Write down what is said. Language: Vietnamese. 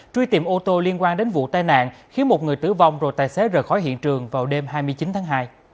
truy tìm ô tô liên quan đến vụ tai nạn khiến một người tử vong rồi tài xế rời khỏi hiện trường vào đêm hai mươi chín tháng hai